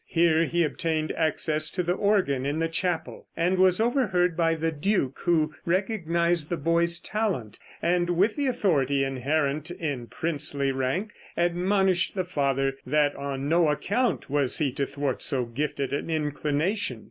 Here he obtained access to the organ in the chapel, and was overheard by the duke, who recognized the boy's talent, and, with the authority inherent in princely rank, admonished the father that on no account was he to thwart so gifted an inclination.